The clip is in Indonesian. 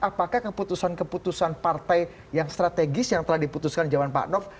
apakah keputusan keputusan partai yang strategis yang telah diputuskan zaman pak nof